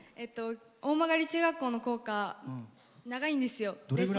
大曲中学校の校歌長いんですよ。